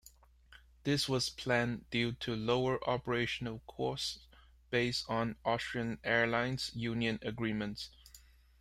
This was planned due to lower operational costs based on Austrian Airlines union agreements.